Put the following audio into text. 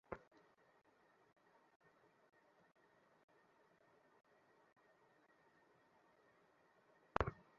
অস্ত্রোপচার করবেন ব্রাজিল জাতীয় দলের চিকিৎসক রদ্রিগো লাসমার ও জেরার্ড স্যালিয়েন্ট।